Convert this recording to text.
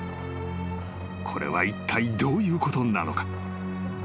［これはいったいどういうことなのか？］